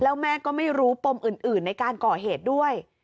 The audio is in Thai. แล้วแม่ก็ไม่รู้ปมอื่นในการก่อเหตุด้วย